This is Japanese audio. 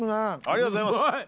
ありがとうございます。